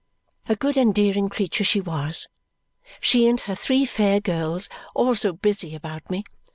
A good endearing creature she was. She and her three fair girls, all so busy about me.